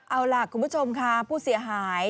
เอาล่ะคุณผู้ชมค่ะผู้เสียหาย